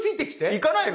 行かないの？